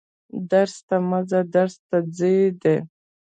درس ته مه ځه درس ته ځه دي